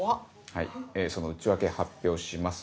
はいその内訳発表します。